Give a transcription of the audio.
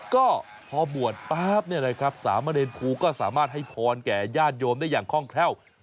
ก็พอบวชป๊าบเนี่ยนะครับสามเณรครูก็สามารถให้พรแก่ญาติโยมได้อย่างคล่องแคล่ว